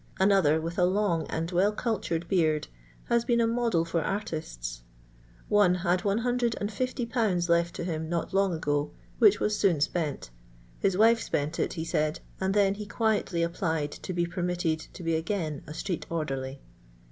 Another, with a long and well cultured beard, has been a model for artists. One had 150/. left to him not long ago, which was soon spent ; his wife spent it, ho said, and then he quietly applied to be permitted to be again a street orderly.